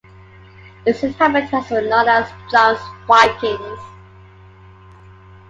Its inhabitants were known as Jomsvikings.